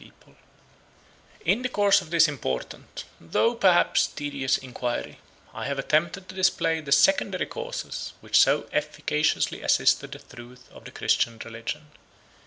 ] In the course of this important, though perhaps tedious inquiry, I have attempted to display the secondary causes which so efficaciously assisted the truth of the Christian religion.